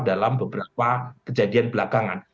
dalam beberapa kejadian belakangan